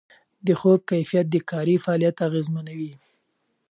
د خوب کیفیت د کاري فعالیت اغېزمنوي.